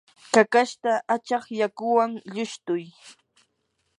kakashta achaq yakuwan lushtuy.